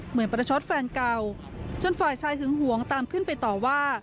เหมือนประชดแฟนเก่าจนฝ่ายชายหึงหวงตามขึ้นไปต่อว่า